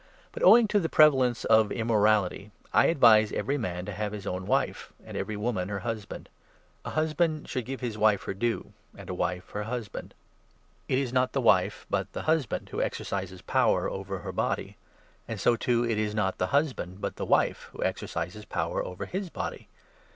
But, owing to the prevalence of 2 immorality, I advise every man to have his own wife, and every woman her husband. A husband should give his wife 3 her due, and a wife her husband. It is not the wife, but the 4 16 Gen. a. 24. 316 I. CORINTHIANS, 7. husband, who exercises power over her body ; and so, too, it is not the husband, but the wife, who exercises power over his body.